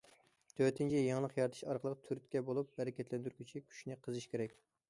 تۆتىنچى، يېڭىلىق يارىتىش ئارقىلىق تۈرتكە بولۇپ، ھەرىكەتلەندۈرگۈچى كۈچنى قېزىش كېرەك.